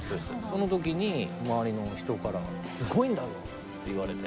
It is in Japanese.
その時に周りの人から「すごいんだぞ！」って言われて。